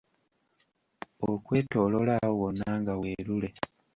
Okwetooloola awo wonna nga weerule.